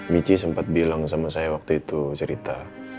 michi sempat bilang sama saya waktu itu cerita